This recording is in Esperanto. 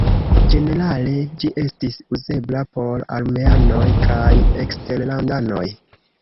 Ĝenerale ĝi estis uzebla por armeanoj kaj eksterlandanoj.